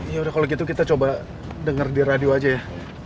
ya udah kalau gitu kita coba dengar di radio aja ya